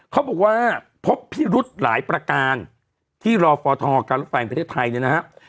เขาบอกว่าพบพิดัดหลายประการที่รอฟอทองรถไฟฟน์ประเทศไทยด้วยนะครับ